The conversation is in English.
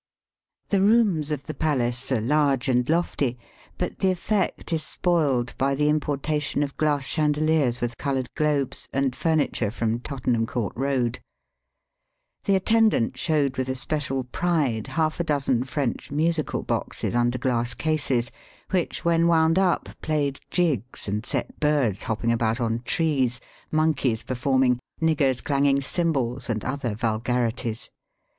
The rooms of the palace are large and lofty, but the effect is spoiled by the importa tion of glass chandeHers with coloured globes and furniture from Tottenham Court Eoad. The attendant showed with especial pride half a dozen French musical boxes under glass Digitized by VjOOQIC BATHING IN THE GANGES. 239 cases, which when wound up played jigs and set birds hopping about on trees, monkeys performing, niggers clanging cymbals, and other vulgarities.